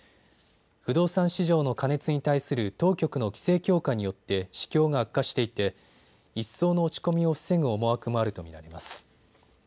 不動産市場の過熱に対する当局の規制強化によって市況が悪化していて一層の落ち込みを防ぐ思惑もあると見られます。